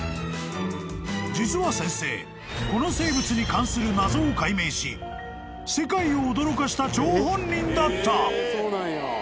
［実は先生この生物に関する謎を解明し世界を驚かした張本人だった］